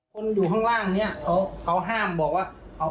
คนอยู่ข้างล่างนี้เขาห้ามบอกว่า